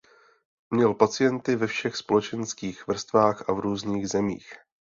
Měl pacienty ve všech společenských vrstvách a v různých zemích.